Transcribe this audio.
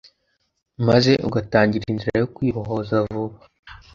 maze ugatangira inzira yo kwibohoza vuba.